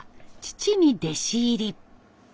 父に弟子入り。